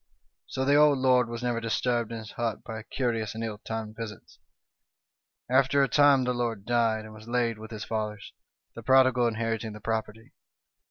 " So the old lord was never disturbed in his hut by curious and ill timed visits. " After a time the lord died, and was laid with his fathers, the prodigal inheriting the property.